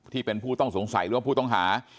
ที่เป็นผู้ต้องสงสัยหรือว่าผู้ต้องหา